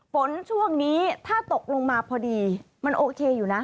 ฝนช่วงนี้ถ้าตกลงมาพอดีมันโอเคอยู่นะ